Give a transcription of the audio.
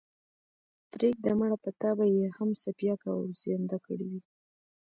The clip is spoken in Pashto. پرېږده مړه په تا به ئې هم څپياكه اوېزانده كړې وي۔